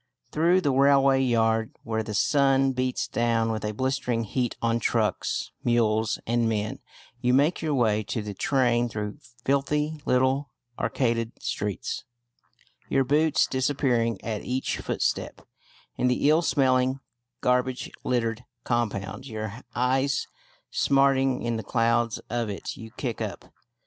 Through the railway yard, where the sun beats down with a blistering heat on trucks, mules, and men, you make your way to the train through filthy little arcaded streets, your boots disappearing at each footstep in the ill smelling, garbage littered compound, your eyes smarting in the clouds of it you kick up.